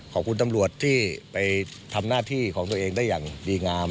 ขอบคุณตำรวจที่ไปทำหน้าที่ของตัวเองได้อย่างดีงาม